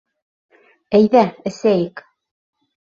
Әйҙә, эсәйек!